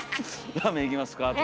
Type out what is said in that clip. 「ラーメン行きます？」